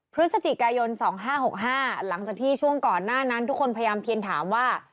พฤศจิกายน๒๕๖๕หลังจากที่ช่วงก่อนหน้านั้นทุกคนพยายามเพียนถามว่า